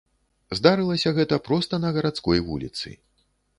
Здарылася гэта проста на гарадской вуліцы.